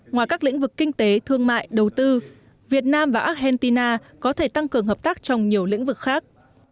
ngoài các lĩnh vực kinh tế thương mại đầu tư việt nam và argentina có thể tăng cường hợp tác trong nhiều lĩnh vực khác